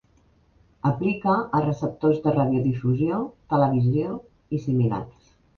Aplica a receptors de radiodifusió, televisió i similars.